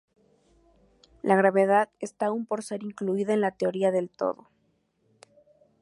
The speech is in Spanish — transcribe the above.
La gravedad está aún por ser incluida en la teoría del todo.